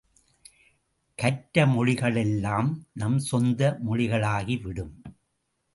கற்ற மொழிகளெல்லாம் நம் சொந்த மொழிகளாகி விடும்.